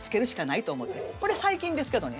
これ最近ですけどね。